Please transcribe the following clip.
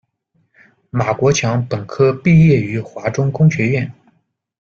马国强本科毕业于华中工学院。